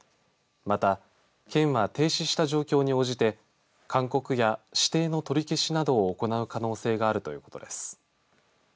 また、県は停止した状況に応じて勧告や指定の取り消しなどを行う可能性があるということです。